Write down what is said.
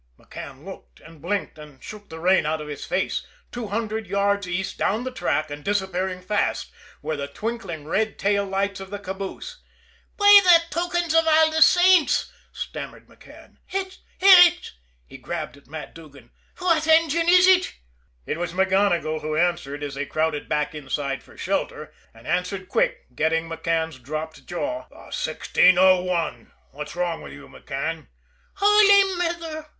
McCann looked, and blinked, and shook the rain out of his face. Two hundred yards east down the track, and disappearing fast, were the twinkling red tail lights of the caboose. "By the tokens av all the saints," stammered McCann. "Ut's ut's " He grabbed at Matt Duggan. "Fwhat engine is ut?" It was MacGonigle who answered, as they crowded back inside again for shelter and answered quick, getting McCann's dropped jaw. "The 1601. What's wrong with you, McCann?" "Holy Mither!"